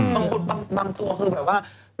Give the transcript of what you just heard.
บางคนบางตัวคือบ่างว่า